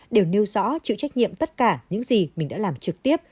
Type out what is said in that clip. đều nêu rõ chịu trách nhiệm tất cả những gì mình đã làm trực tiếp